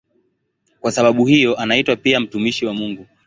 Kwa sababu hiyo anaitwa pia "mtumishi wa Mungu".